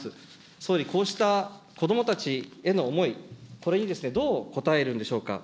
総理、こうしたこどもたちへの思い、これにどう答えるんでしょうか。